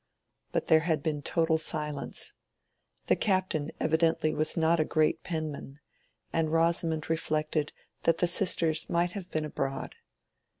But there had been total silence. The Captain evidently was not a great penman, and Rosamond reflected that the sisters might have been abroad.